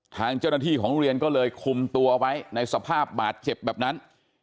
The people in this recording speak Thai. ทางเจ้าหน้าที่ของโรงเรียนก็เลยคุมตัวไว้ในสภาพบาดเจ็บแบบนั้น